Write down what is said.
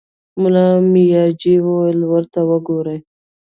ملا مياجي وويل: ورته وګورئ!